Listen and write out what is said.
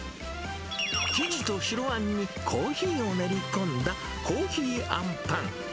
生地と白あんにコーヒーを練り込んだ珈琲あんぱん。